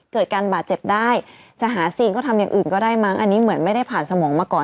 เกิดการบาดเจ็บได้จะหาซีนก็ทำอย่างอื่นก็ได้มั้งอันนี้เหมือนไม่ได้ผ่านสมองมาก่อน